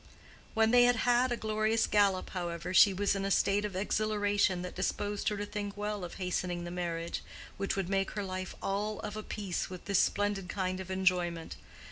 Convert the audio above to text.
When they had had a glorious gallop, however, she was in a state of exhilaration that disposed her to think well of hastening the marriage which would make her life all of apiece with this splendid kind of enjoyment.